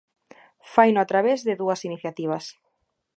Faino a través de dúas iniciativas.